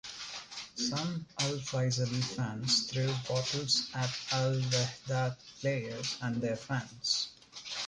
Some Al-Faisaly fans threw bottles at Al-Wehdat players and their fans.